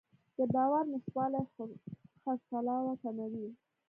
د باور نشتوالی خرڅلاو کموي.